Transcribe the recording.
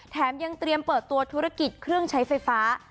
แถมยังเตรียมเปิดตัวธุรกิจเครื่องใช้ไฟฟ้า